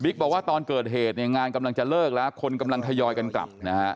บิ๊กบอกว่าตอนเกิดเหตุงานกำลังจะเลิกแล้วคนกำลังทยอยกันกลับ